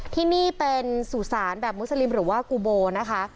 ที่นี่เป็นสุสานแบบมุสลิมหรือว่ากูโบนะคะ